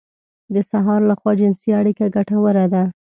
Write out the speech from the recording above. د سهار لخوا جنسي اړيکه ګټوره ده.